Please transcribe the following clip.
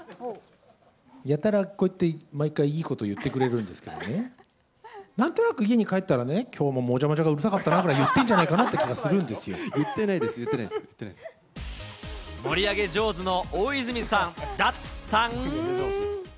やたらこうやって毎回いいこと言ってくれるんですけどね、なんとなく家に帰ったらね、きょうももじゃもじゃがうるさかったなぐらい言ってんじゃないか言ってないです、言ってない盛り上げ上手の大泉さんだったん。